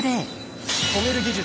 止める技術。